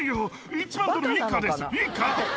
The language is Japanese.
１万ドル以下です、以下。